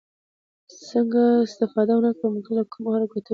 څخه استفاده ونکړم او ممکن له کمو حرکتونو